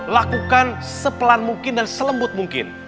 lakukan sepelan mungkin dan selembut mungkin